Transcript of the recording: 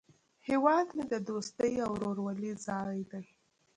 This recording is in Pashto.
هیواد مې د دوستۍ او ورورولۍ ځای دی